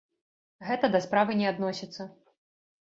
Гэта да справы не адносіцца.